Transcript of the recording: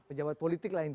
pejabat politik lainnya